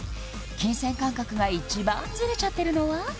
金銭感覚が一番ズレちゃってるのは？